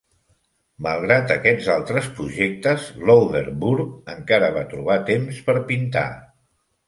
Malgrat aquests altres projectes, Loutherbourg encara va trobar temps per pintar.